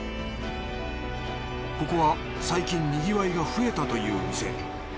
ここは最近にぎわいが増えたという店。